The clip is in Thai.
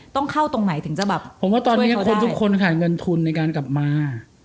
ต้องเข้าตรงไหนถึงจะแบบผมว่าตอนนี้คนทุกคนค่ะเงินทุนในการกลับมา